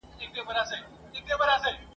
سمدستي ورته خپل ځان را رسومه ..